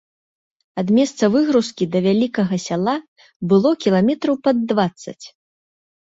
Ад месца выгрузкі да вялікага сяла было кіламетраў пад дваццаць.